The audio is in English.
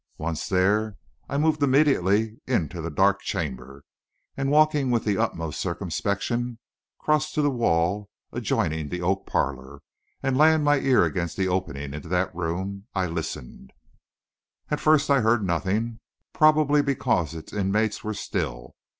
Once there, I moved immediately into the dark chamber, and walking with the utmost circumspection, crossed to the wall adjoining the oak parlor, and laying my ear against the opening into that room, I listened. At first I heard nothing, probably because its inmates were still.